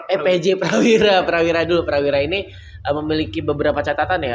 epj prawira prawira dulu prawira ini memiliki beberapa catatan ya